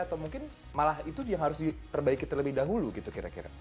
atau mungkin malah itu yang harus diperbaiki terlebih dahulu gitu kira kira